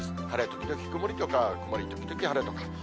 晴れ時々曇りとか、曇り時々晴れとか。